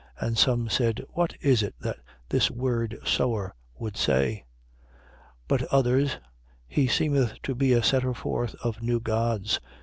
And some said: What is it that this word sower would say? But others: He seemeth to be a setter forth of new gods.